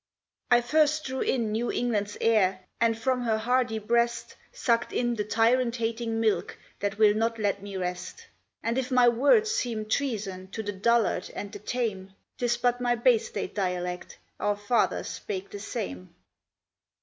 I first drew in New England's air, and from her hardy breast Sucked in the tyrant hating milk that will not let me rest; And if my words seem treason to the dullard and the tame, 'Tis but my Bay State dialect, our fathers spake the same!